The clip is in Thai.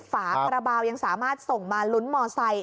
ฝาคาราบาลยังสามารถส่งมาลุ้นมอไซค